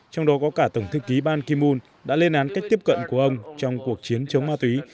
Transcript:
trong đó có cả tổng thư ký ban kim mun đã lên án cách tiếp cận của ông trong cuộc chiến chống ma túy